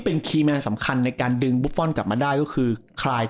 เป็นคีย์แมนสำคัญในการดึงบุฟฟอลกลับมาได้ก็คือคลาย